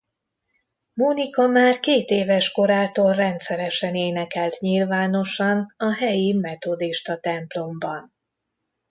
Monica már kétéves korától rendszeresen énekelt nyilvánosan a helyi metodista templomban.